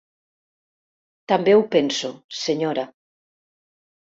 També ho penso, senyora.